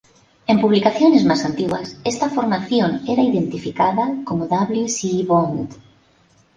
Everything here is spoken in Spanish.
En publicaciones más antiguas esta formación era identificada como "W. C. Bond".